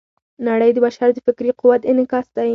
نړۍ د بشر د فکري قوت انعکاس دی.